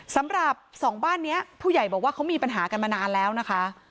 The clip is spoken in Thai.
สำหรับสองบ้านนี้ผู้ใหญ่บอกว่าเขามีปัญหากันมานานแล้วนะคะ